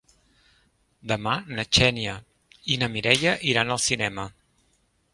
Demà na Xènia i na Mireia iran al cinema.